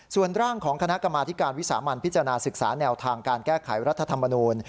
ส่วนร่างของคณะกรรมาธิการวิสามันพิจารณาศึกษาแนวทางการแก้ไขรัฐธรรมนูล